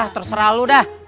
terserah lu dah